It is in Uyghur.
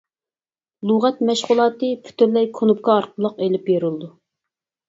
لۇغەت مەشغۇلاتى پۈتۈنلەي كۇنۇپكا ئارقىلىق ئېلىپ بېرىلىدۇ.